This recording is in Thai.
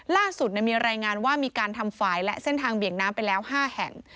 ล่าสุดมีรายงานว่ามีการทำฝ่ายและเส้นทางเบี่ยงน้ำไปแล้ว๕แห่ง